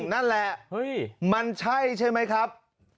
นั่นแหละมันใช่ใช่ไหมครับ